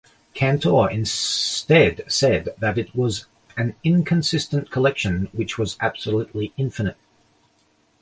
Cantor instead said that it was an "inconsistent" collection which was absolutely infinite.